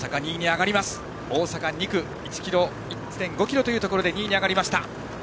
大阪、２区１．５ｋｍというところで２位に上がりました。